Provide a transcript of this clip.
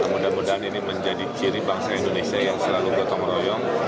mudah mudahan ini menjadi ciri bangsa indonesia yang selalu gotong royong